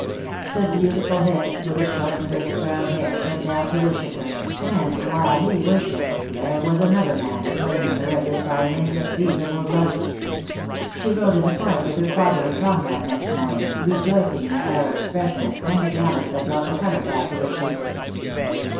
The beautiful head with the short crisp brown hair bent down to worship her, and while he worshipped DEAD LOVE HAS CHAINS. 243 there was another man claiming her as if by an in defeasible right. ....,,■, She rode in the Park with her father and Con rad next morning, rejoicing in her Arab's freshness and the gallop that brought the colour back to her cheeks.